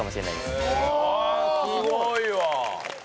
すごいわ！